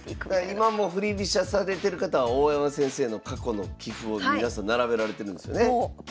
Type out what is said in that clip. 今も振り飛車されてる方は大山先生の過去の棋譜を皆さん並べられてるんですよね。